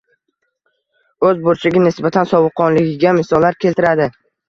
o'z burchiga nisbatan sovuqqonligiga misollar keltiradi.